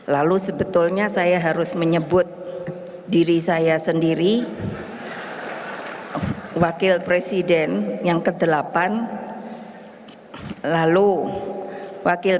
lalu sebetulnya saya harus menyebut diri saya sendiri wakil presiden yang ke delapan lalu wakil